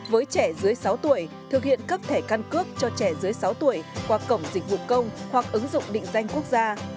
với trẻ dưới sáu tuổi thực hiện cấp thẻ căn cước cho trẻ dưới sáu tuổi qua cổng dịch vụ công hoặc ứng dụng định danh quốc gia